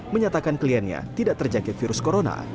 menyatakan kliennya tidak terjangkit virus corona